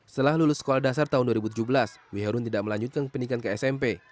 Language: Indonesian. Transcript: setelah lulus sekolah dasar tahun dua ribu tujuh belas wiharun tidak melanjutkan pendidikan ke smp